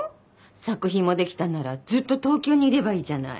作品もできたんならずっと東京にいればいいじゃない。